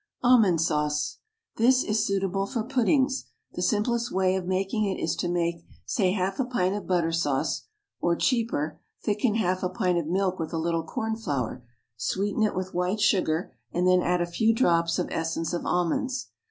ALMOND SAUCE. This is suitable for puddings. The simplest way of making it is to make, say half a pint of butter sauce, or, cheaper, thicken half a pint of milk with a little corn flour, sweeten it with white sugar, and then add a few drops of essence of almonds.